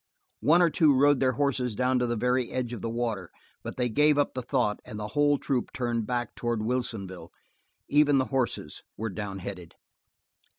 One or two rode their horses down to the very edge of the water, but they gave up the thought and the whole troop turned back toward Wilsonville; even the horses were down headed.